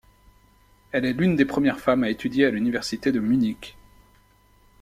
Elle est l'une des premières femmes à étudier à l'Université de Munich.